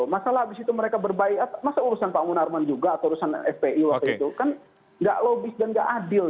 masalah abis itu mereka berbaik masa urusan pak munarman juga atau urusan spi waktu itu kan tidak lobis dan tidak adil